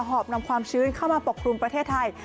อบนำความชื้นเข้ามาปกครุมประเทศไทย